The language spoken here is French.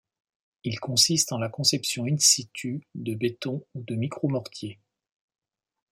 Il consiste en la conception in situ de Béton ou de micro mortier.